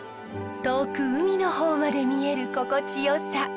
遠く海の方まで見える心地よさ。